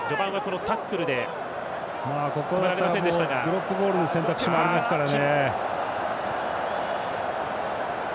ドロップゴールの選択肢もありますからね。